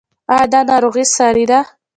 ایا دا ناروغي ساری ده؟